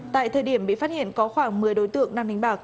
tại thời điểm bị phát hiện có khoảng một mươi đối tượng